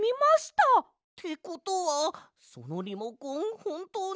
ってことはそのリモコンほんとうに。